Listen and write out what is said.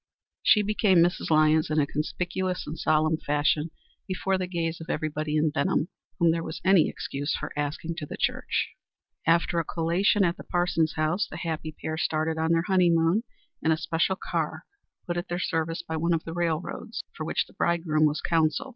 She became Mrs. Lyons in a conspicuous and solemn fashion before the gaze of everybody in Benham whom there was any excuse for asking to the church. After a collation at the Parsons house, the happy pair started on their honeymoon in a special car put at their service by one of the railroads for which the bridegroom was counsel.